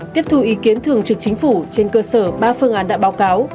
tiếp thu ý kiến thường trực chính phủ trên cơ sở ba phương án đã báo cáo